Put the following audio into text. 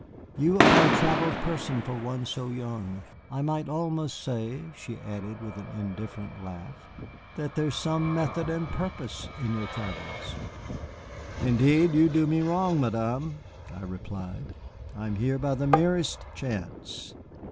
"You are a travelled person for one so young. I might almost say," she added with an indifferent laugh, "that there is some method and purpose in your travels." "Indeed, you do me wrong, Madame," I replied; "I am here by the merest chance."